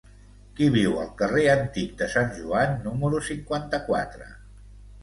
Qui viu al carrer Antic de Sant Joan número cinquanta-quatre?